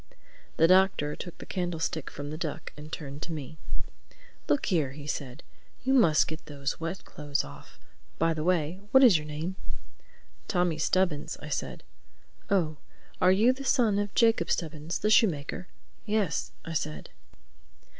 The Doctor took the candlestick from the duck and turned to me. "Look here," he said: "you must get those wet clothes off—by the way, what is your name?" "Tommy Stubbins," I said. "Oh, are you the son of Jacob Stubbins, the shoemaker?" "Yes," I said.